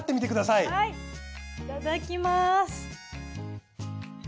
いただきます。